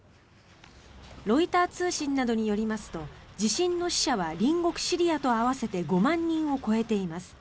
ロイター通信などによりますと地震の死者は隣国シリアと合わせて５万人を超えています。